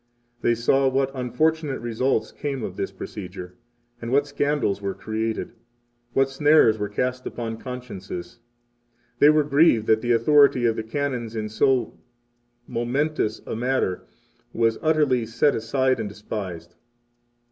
They saw what unfortunate results came of this procedure, and what scandals were created, what snares were cast upon consciences! They were grieved 9 that the authority of the Canons in so momentous a matter was utterly set aside and despised.